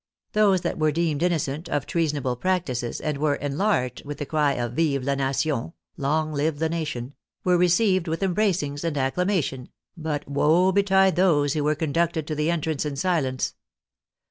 Those that were deemed innocent of treasonable practices, and were "enlarged" with the cry of ''Vive la nation!" (Long live the nation!), were received with embracings and acclamation, but woe betide those who were con ducted to the entrance in silence.